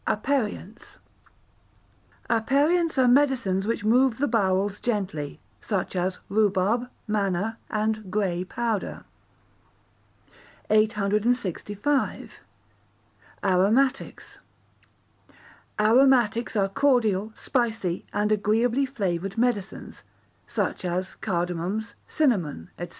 Aperients Aperients are medicines which move the bowels gently, such as rhubarb, manna, and grey powder. 865. Aromatics Aromatics are cordial, spicy, and agreeably flavoured, medicines, such as cardamoms, cinnamon, &c.